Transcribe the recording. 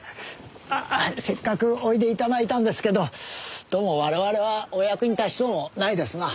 せっかくおいで頂いたんですけどどうも我々はお役に立ちそうもないですな。